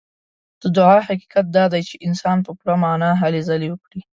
د دعا حقيقت دا دی چې انسان په پوره معنا هلې ځلې وکړي.